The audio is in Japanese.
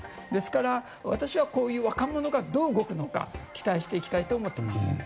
ですから、私はこういう若者がどう動くのか期待していきたいと思っています。